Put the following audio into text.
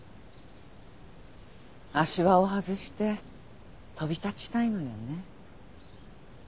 足環を外して飛び立ちたいのよね。